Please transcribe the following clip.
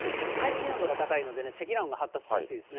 海水温度が高いので、積乱雲が発達しやすいですね。